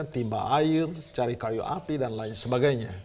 tiba air cari kayu api dan lain sebagainya